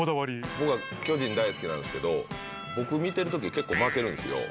僕、巨人が好きなんですけれども、僕が見てるとき結構負けてるんですよ。